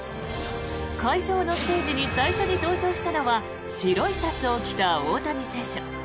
会場のステージに最初に登場したのは白いシャツを着た大谷選手。